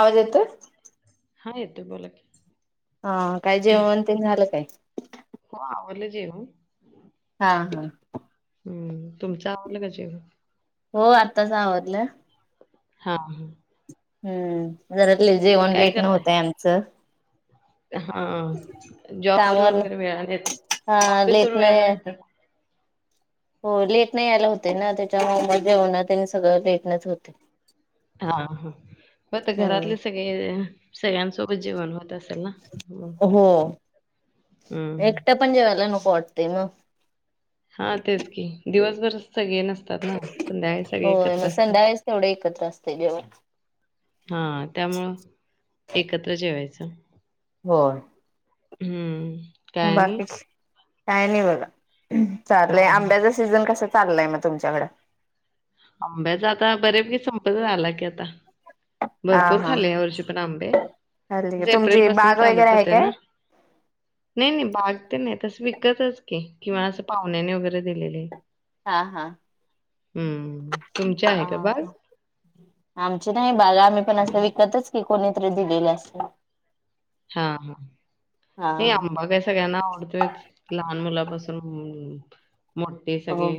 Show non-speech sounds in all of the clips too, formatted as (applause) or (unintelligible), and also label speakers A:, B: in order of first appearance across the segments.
A: आवाज येतोये.
B: हा येतो बोला की.
A: हा काय जेवण ते झालं काय.
B: हो आवरलं जेवण.
A: हा हा.
B: हम्म तुमच आवरलं का जेवण.
A: हो आत्ताच आवरलं.
B: हा.
A: हम्म. जरा जेवण लेट नव्हतंय आमचं.
B: हा जॉबवरून
A: कामावरन
B: वगैरे वेळाने येत
A: हा
B: ऑफिस
A: लेट
B: होऊन
A: न
B: वेळाने येतात.
A: हो लेट नाही आला होते ना त्याच्यामुळे (unintelligible) जेऊना सगळं लेट नेच होते.
B: हा हा ब
A: हम्म
B: घरातले सगळे सगळ्यांसोबत जेवण होत अस
A: हो
B: हं, हं.
A: एकटा पण जेवायला न को वाटतय म
B: हा तेच की दिवसभर सगळे नसतात ना, संध्याकाळी सगळे
A: होय
B: एकत्र
A: मग
B: असतात.
A: संध्याच तेवढं एकत्र असते जेवण
B: हा त्यामुळं एकत्र जेवायचं.
A: होय.
B: हम्म.
A: बाकीच काय नाही बोला. चालेलय
B: हां, हां.
A: आंब्याचा सीझन कसा चाललय म तुमच्याकडं.
B: आंब्यााता बरे आला की आता
A: हा
B: भरपूर
A: हा
B: खाले या वर्षी पण आंबे
A: चालतंय की
B: त एप्रिल
A: तुमची
B: पासून
A: बाग वगैरे
B: चालत
A: आहे
B: होते
A: काय?
B: ना नाही नाही बाग ते नाही तस विकतच की किंवा असं पाहुण्याने वगैरे दिलेले
A: हा हा
B: तुमचे आहे का बाल
A: आ नाही बाग आम्ही पण असं विकतच की कोणीतरी दिलेलं अस
B: हा हा नाही अंबा कस कना औरत लहान मुला बसल मोठे
A: हो
B: सगळे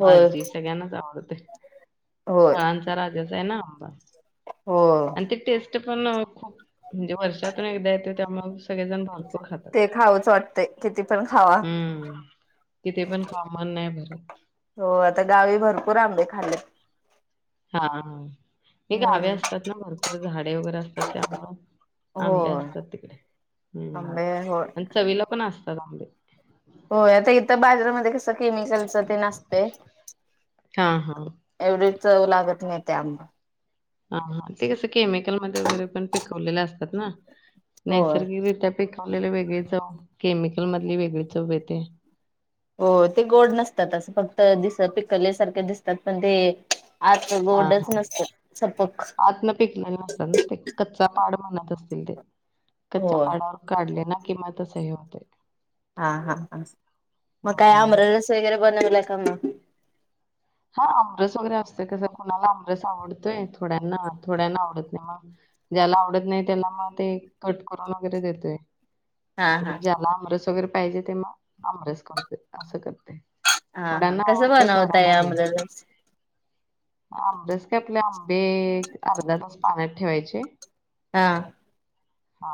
A: होय
B: सगळ्यांनाच आवडते फळांचा राजाच आहे ना बाय
A: हम
B: पण खूप म्हणजे वर्षातून एकदा येते त्यामुळे सगळेजण ब
A: ते खाऊच वाटते किती पण खावा
B: हं. तिथे पण कॉमन नाही भरत.
A: हो आता गावी भरपूर आंबे हले
B: हा हा ह गावे
A: हम्म
B: असतात ना भरपूर झाडे वगैरे असतात त्यामुं आंबे
A: होय
B: असतात तिकडे हम्म
A: आंबे होय
B: आणि चवीला पण असतात अगं मले
A: होय आता इथं बाजारामध्ये कसं केमिकलच तेन असतंय
B: हां, हां.
A: एवढी चव लागत होय त्या आंबा
B: हा हा ते कसं केमिकल मध्ये वगैरे पण पिकवलेले असतात ना.
A: होय
B: नैसर्गिकरित्या पिकवलेले वेगळे चव केमिकल मधली वेगळी चव ते
A: हो ते गोड नसतात असं फक्त (inaudible) दिस पिकल्यासारखे दिसतात पण ते (inaudible)
B: हा
A: गोडच
B: हा
A: नसतात सपक
B: आत न पिकलेल नसतात ना ते कच्चा (inaudible) (inaudible) असतील ते कच्च्या
A: होय
B: पाडावर काढले ना किंमतचाय हो ती
A: हा हा हा मग काय
B: हं.
A: आमरस वगैरे बनवलय का मग
B: हा आमबरस वगैरे असतोय कस कुणाला आमबरस आवडतोय थोड्यांना थोड्यांना आवडत नाही मग ज्याला आवडत नाही त्याला मग ते कट करून वगैरे देतोय
A: हा
B: (inaudible)
A: हा
B: वगैरे पाहिजे तेव्हा आमरस करते असं
A: हा हा
B: थोड्यांना
A: कसं
B: आवडतंय
A: बनवताय
B: थोड्यांना नाही
A: आनी
B: आमरस काय आपले आंबे अर्धा (inaudible) पाण्यात ठेवायचे.
A: हा
B: हा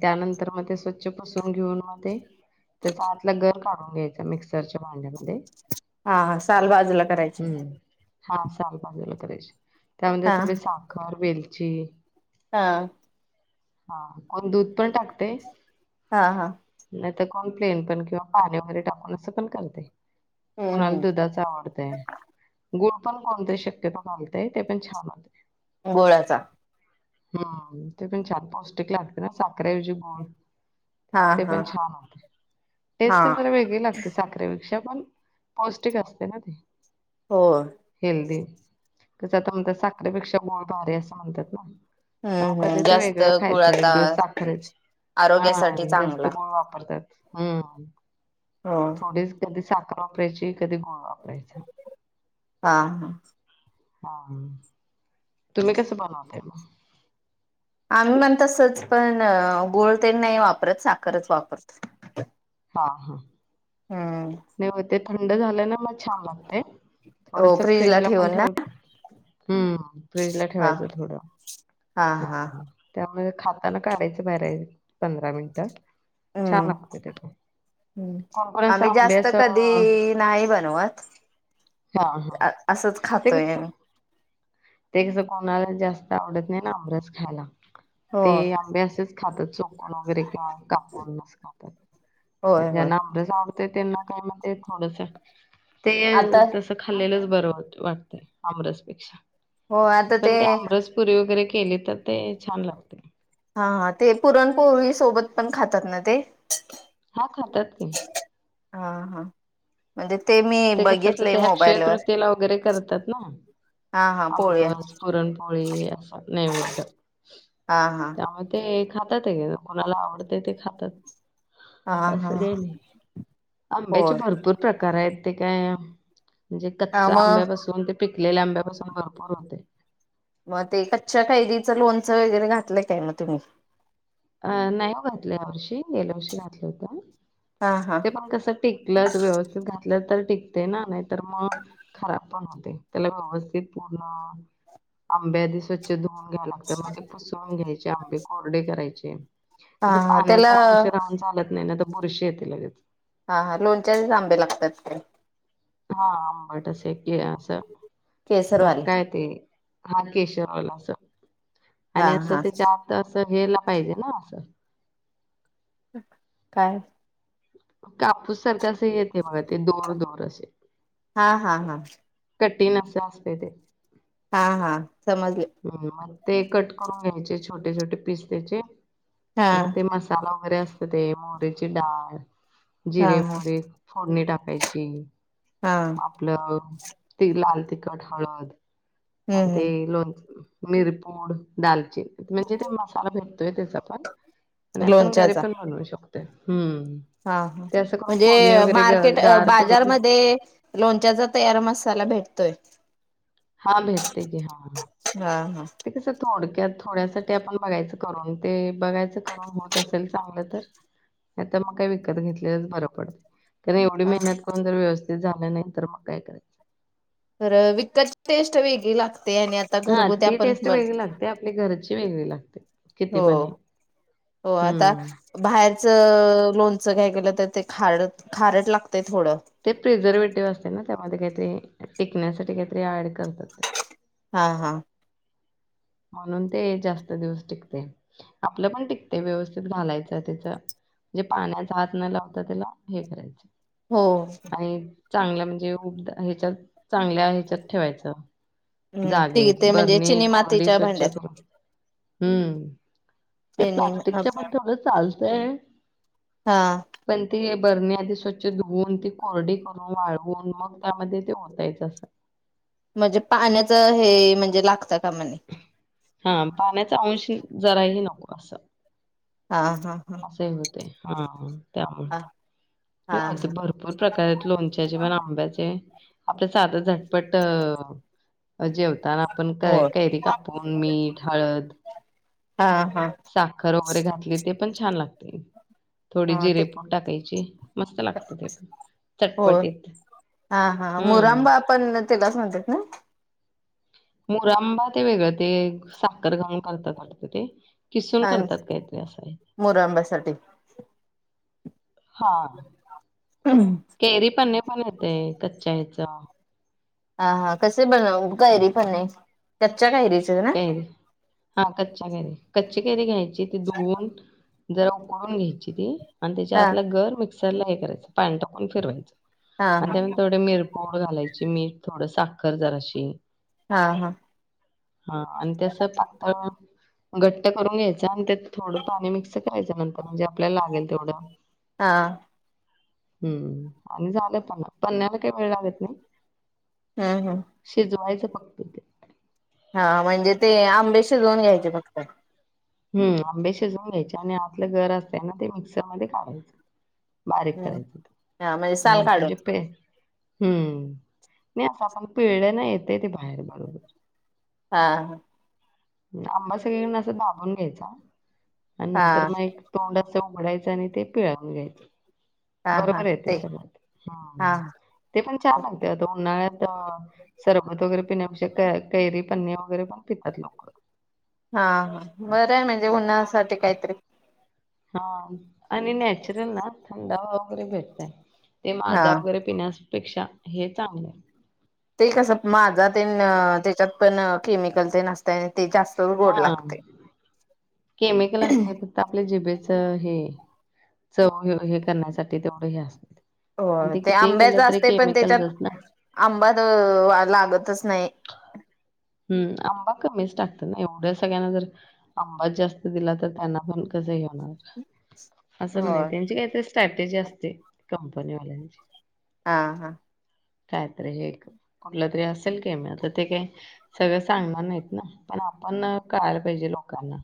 B: त्यानंतर मग ते स्वच्छ पुसून घेऊन मग ते त्याचा आतला गर काढून घ्यायचा मिक्सरच्या भांड्यामध्ये
A: हा आ (inaudible) बाजूला करायची.
B: हम्म हा (inaudible) त्यामध्ये
A: हा
B: थोडी साखर, वेल छी
A: हा
B: (unintelligible) दूध पण टाकतय
A: हा हा
B: नाही तर कॉम्प्लेन पण किंवा पाणी वगैरे टाकून असं पण करता येईल. कोणाला दुधाच काय आवडतंय. गुळ पण कोणतरी शक्यता घालतंय ते पण छान होतंय.
A: गोळ्याचा
B: हम्म ते पण छान पौष्टिक लागत ना साखरेऐवजी गोड हा ते पण छान होतंय
A: हा
B: टेस्ट जरा वेगळी लागते साखरेपेक्षा प पौष्टिक अस ते ना ते
A: हो
B: हेल्दी (unintelligible) हा
A: हम्म
B: कधी
A: हम्
B: ते
A: जास्त
B: वेगळं
A: गुळ
B: खायचं
A: आता
B: एक दिवस साखरेच हा
A: आरोग्यासाठी
B: जास्त
A: चांगला
B: गूळ वापरतात. हा
A: हो
B: थोडे (unintelligible) सात वापरची कधी वापरायचा
A: हा ह
B: हा तुम्ही कसे बनवता मग,
A: आम्ही म्हणतसच पण ग (unintelligible) नाही वापरत, साखरच वापरत.
B: हा हा ते हो ते थंड झाल्या ना मग छान लागते.
A: हो
B: थोडस
A: फ्रीजला
B: फ्रीज ला पण
A: ठेवून ना
B: ठेव. हम्म फ्रीजला
A: हा
B: ठेवायचं थोडं हा त्यामुळे खाताना काढायचं बाहेर पंधरा मिनिटं छ ना खपे तेख
A: हम् आम्ही जास्त कधी नाही बनवत
B: हा हा
A: असंच
B: ते कस
A: खातोय आम
B: ते कसं कोणाला जास्त आवडत नाही ना अमरस खायला
A: हो
B: ते आंब्यासच खातच वगैरे का काूनात
A: होय होय
B: ज आम तर त्यांना काय म्ह थोडस ते तसं खाल्लेलंच बरं होत वाटतंय आमरसपेक्षा
A: हो आता ते
B: पण आमरस पुरी वगैरे केली तर ते छान लागते
A: हा हा ते पुरणपोळी सोबत पण खातात ना ते
B: हां खातात की
A: हा हा म्हणजे मी
B: ते कसंत
A: बघितलंय
B: ते अक्षय
A: मोबाईलवर
B: तृतीयेला वगैरे करतात ना
A: हा हा पोळ्या
B: अमरवाज पुरणपोळी असं नैवेद्य
A: हा हा
B: त्यामुळे ते खातात आहे का कोणाला आवडते ते खातात
A: हा हा
B: असं काही नाही आंब्याचे
A: होय
B: भरपूर प्रकार आहेत ते काय म्हणजे
A: हा
B: कच्चा
A: मग
B: आंब्यापसून ते पिक लेला आंबा ह पर्वाते
A: मग ते कच्च्या कैदीचं लोनचं वगैरे घातलं काय मग तुम्ही
B: अ नाही घातलं या वर्षी गेल्या वर्षी घातलं होत
A: हा हा
B: ते पण कस टिकलं व्यवस्थित घात तर टिकते ना नाही तर मग खब पण होते त्याला व्यवस्थित पूर्ण आब्या स्वचछ घ्याय लाग म सन घ्याय ंब कोरडे करायचे ते
A: हा
B: कस
A: हा त्याला
B: पाण्याचा अंश राहून चालत नाही ना मुरशी येते लगेच
A: हा हा लोणच्याचे आंबे लागतात काय
B: हा आंबट असे क असं का
A: केसरवाले
B: काय ते हा केेशवला असं
A: हा
B: आणि असं
A: हा
B: त्याच्या आत असं घ्यायला पाहिजे ना असं
A: काय
B: कापूस सारखा अस हे येते बघा ते दोर दोर असे.
A: हा हा हा
B: कटीन असं असतंय ते
A: हा हा समजले
B: हं, मग ते कट करून घ्यायचे छोटे छोटे पिस त्याचे
A: हा
B: म ते मसाला बरे असत ते मोहरीची डाळ
A: हा
B: जिरे
A: हा
B: मोहरे फोडणी टाक ऐची
A: हा
B: (unintelligible) आपलं ती लाल तिखट हळद
A: हम्म
B: ते
A: हम्म
B: लोणचं मिरपोड दालचिन म्हणजे ते मसाला भेटतोय त्याचा पण आणि आपण घरी
A: लोणच्याचा
B: पण बनवू शकतो हम्म
A: हा
B: ते असं करून
A: म्हणजे
B: फोडणी वगैरे ग-
A: मार्केट
B: गार करून
A: बाजारमध्ये लोणच्याचा तयार मसाला भेटत ते
B: हा भेटते कि हा
A: हा
B: ते कसं थोडक्यात थोड्यासाठी आपण बघायचं करून ते बघायचं करून होत असेल चांगलं तर नायतर मग काय विकत घेतलेलंच बरं पडतं कारण एवढीे
A: हा
B: मेहनत करून जर व्यवस्थित झालं नाही तर मग काय करायचं
A: तर विका (inaudible) टेस्ट वेगळी लागते ते आणि आता
B: हां,
A: घरगूती
B: ती
A: आपण,
B: टेस्ट वेगळी लागते. आपली घरची वेगळी लागते. किती पण हे.
A: आता
B: हम्म.
A: बाहेरच लो काय केलं तर ते खार खारट लागतं
B: ते प्रिझर्वेटिव्ह असते ना त्यामध्ये काय ते टिकण्यासाठी काहीतरी ऍड करतात.
A: हा हा
B: म्हणून ते जास्त दिवस टिकतंय, आपलं पण टिकते व्यवस्थित घालायचं त्याच म्हणजे पाण्याचा हात न लावता त्याला हे करायचं.
A: हो
B: चांगल्या म्हणजे उ ह्याच्यात चांगल्या ह्याच्यात ठेवायचं.
A: हम् ती ते म्हणजे चिनी मातीच्या
B: स्वछ
A: भांड्यात
B: करो हम्म हे
A: चिनी
B: प्लास्टिक मध्ये थोडं चाल ह
A: हा
B: पण ते बरणी आधी स्वच्छ धुवून ती कोरडी करून वाळवून मग त्यामध्ये ते होतायच असं
A: म्हणजे पाण्याच हे म्हणजे लागतात कमणे
B: हा पाण्याचा अंश जराही नको असं
A: हा हां हां
B: असंही होते हा त्यामु
A: हा
B: होते
A: हा
B: भरपूर प्रकारात लोणच्याचे पण आंब्याचे आपल्याच आता झटपट जेवताना आपण
A: हो
B: कैरी कापून मीठ हळद
A: हा हा
B: साखर वगैरे घातली ते छान लागते थोडी
A: हा ते
B: जिरेपून टाकायची मस्त लागतं ते पण
A: हो
B: चटपटीत
A: हा हा
B: हम्म.
A: मुरंबा आपण तिलाच म्हणतात ना
B: मुरंबा ते वेगळं ते साखर घाऊन करतात करत ते. किसून
A: आणि
B: करतात काहीतरी असं आहे.
A: मोरांब्यासाठी
B: हा केरी प पण येत कच्च्या याच
A: ह हा कसे बन गैरी पणे
B: करी हा कच्च्या केैरी कच्ची केरी घ्यायची त दोन जरा उकळून घ्यायची ती.. आणि त्याच्या
A: हा
B: आतला गर म. चलाय करायचं पॅन्टा पण
A: हा
B: फिरवायचं
A: हा
B: अ म तथोडी म मिर पोड घालायची मीठ थोड साखर जराशी
A: हा हा
B: हा आणि त्यासं पातळ घट्ट करून घ्यायचं आणि ते थोडं पाणी मिक्स करायचं नंतर म्हणजे आपल्याला लागेल तेवढं
A: हा
B: हम्म आणि झालं पण पनण्या्याला काही वेळ लागत नाही
A: हम्म हम्
B: शिजवायचं फक्त ते.
A: हा म्हणजे ते आंबे शिजवून घ्यायचे फक्त
B: हम् आंबे शिजवून घ्यायचे आणि आतलं घर असतं ना ते मिक्सरमध्येध्ये काढायचं बारीक
A: हम्
B: करायचं
A: हा म्हणजे साल
B: हम्
A: काढून
B: म्हणजे पे हम्म नाही असं आपला पिळ ना येतंय ते बाहेर पडून.
A: हा.
B: आंबा सगळे ना असं दा बून घ्यायचा. आणि नंतर
A: हा
B: मग एक तोंड ते उघडायचं आणि ते पिळावून घ्यायचं.
A: हा हा
B: बरोबर आहेे ते सगळ हा, ते पण छान लागते आता उन्हाळ्यात. हा सरबत वगैरे पिण्यापेक्षा केैरी पननी वगैरे पण पितात लोक.
A: हा हा. बरं आहे म्हणजे उन्हाळ्यासाठी काहीतरी.
B: हा आणि नॅचरल ना थंडावा वगैरे भेटतय. ते
A: हा
B: माझा वगैरे पिण्या पेक्षा हे चांगलं हाय.
A: ते कस माझा ते त्याच्यात पण केमिकल तेन असतंय.
B: हा केमिकल असते, तिथ आपल्या जिभेच हे चव घेऊन पण
A: होय. ते
B: किती
A: आंब्याच
B: केलं तरी
A: असते, पण त्याच्यात
B: केमिकलचच ना.
A: आंबा लागतच नाही.
B: हम्म आंबा कमीच टाकतात ना एवढ्या सगळ्यांना जर आंबा जास्त दिला, तर त्यांना पण कसं हे होणार. असं म्हणे
A: होय
B: त्यांचे काय तर शॉर्टेज असते कंपनी वाल्यांची.
A: हा हा.
B: कायतरी हे कुठलं तरी असेल केम, आता ते काय? सगळं सांगणार नाहीत ना, पण आपण कळाला पाहिजे लोकांना.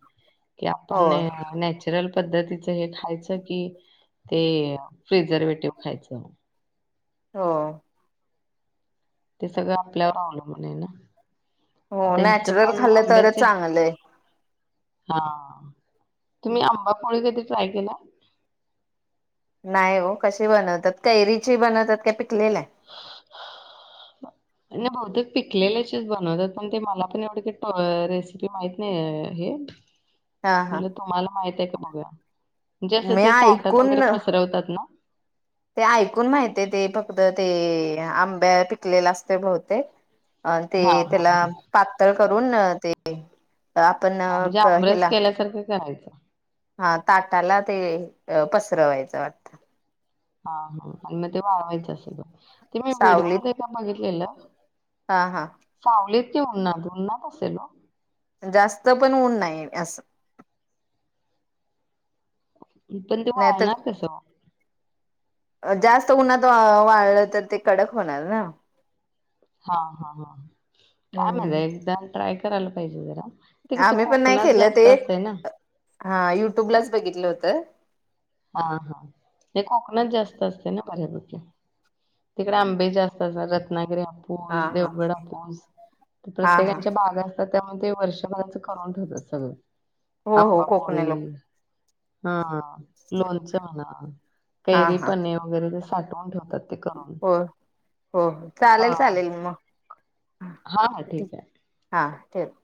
B: कि आपण
A: होय
B: नॅचरल पद्धतीच हे खायचं कि ते प्रिझर्वेटिव खायचं.
A: हो.
B: ते सगळं आपल्यावर अवलंबून आहे ना.
A: हो
B: आता ह्याच
A: नॅचरल
B: पण
A: खाल्ले तरच
B: आंब्याचे
A: चांगले
B: हा तुम्ही आंबापोळी कधी ट्राय केलाय?
A: नाही ओ, कशी बनवतात कैरीची बनवतात का पिक कलेल्या?
B: नाही बहुतेक पिकलेलेचेच बनवतात पण ते मला पण एवढ प रेसिपी माहित नाही हे.
A: हा हा
B: त्यातलं तुम्हाला माहित आहे का? बघूया. म्हणजे असं
A: मी
B: ते ताटात
A: ऐकून
B: वगैरे पसरवतात ना
A: ते ऐकून माहित ते प ण ते आंबा पिकलेला असतय बहुतेक. अ ते
B: हा हा
A: त्याला
B: हा
A: पातळ कर पुन्हा ते आपण
B: हा म्हणजे आमरस
A: हेला
B: केल्यासारखं करायचं.
A: हा ताटाला ते पसरवायचं वाटतं.
B: हा हा आणि म वाळवायच असल ते मी
A: सावलीत
B: व्हिडिओमध्येध एका काय बघितलेलं.
A: हा हा
B: कि उन्हात उन्हात असलेलो
A: जास्त पण ऊन नाही असं
B: (unintelligible) पण ते
A: नाहीतर
B: वाळणार कसं.
A: जास्त उन्हात वाळ वाळलं तर ते कडक होणार ना
B: हा हा हा (inaudible)
A: हम्म
B: एकदा ट्राय करायला पाहिजे जरा. ते कसं
A: आम्ही पण नाही
B: कोकणात
A: केल ते
B: जास्त असतंय ना.
A: हा युट्युबलाच बघितलं होतं.
B: हा हा हे कोकणात जास्त असते ना बऱ्यापैकी तिकडे आंबे जास्त असात रत्नागिरी.
A: हा
B: हापूस
A: हा
B: देवगडहापूस
A: हा हा
B: प्रत्येकचे बागा असतात त्यामुळे ते वर्षभराचं करून ठेवत सगळं.
A: हो हो कोकणी लोक.
B: हा हा लोणच म्हणा
A: हा
B: कैरी
A: हा
B: प्ने वगैरे. साठवून ठेवतात. ते करून.
A: हो हो चालेल
B: हां.
A: चालेल मग
B: हां, हां.
A: ठीक
B: आहे.
A: हा. ठेव.